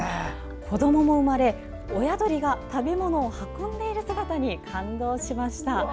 子どもも生まれ、親鳥が食べ物を運んでいる姿に感動しました。